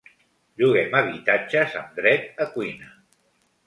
Lloguem habitatges amb dret a cuina.